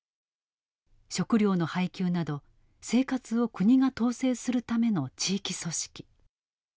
食料の配給など生活を国が統制するための地域組織。